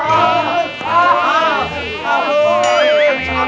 ampun ampun ampun